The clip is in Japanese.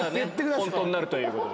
本当になるということで。